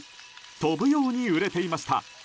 飛ぶように売れていました。